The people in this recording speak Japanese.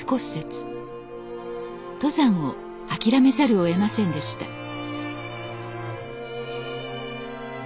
登山を諦めざるをえませんでした